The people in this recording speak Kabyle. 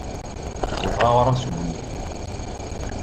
Wteɣ aɣrab s ubunyiw.